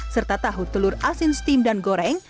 serta tahu telur asin steam dan goreng